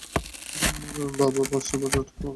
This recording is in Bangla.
শুধু আমি আর বাবা, পাঁচটা বছর, তোমাকে ছাড়া।